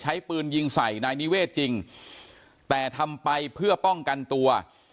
ใช้ปืนยิงใส่นายนิเวศจริงแต่ทำไปเพื่อป้องกันตัว